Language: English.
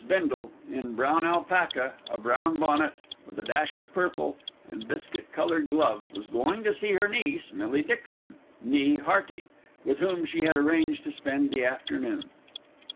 Bindle, in brown alpaca, a brown bonnet with a dash of purple, and biscuit coloured gloves, was going to see her niece, Millie Dixon, née Hearty, with whom she had arranged to spend the afternoon.